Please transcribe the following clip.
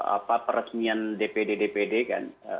apa peresmian dpd dpd kan